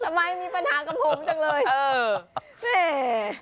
มีปัญหากับผมจังเลย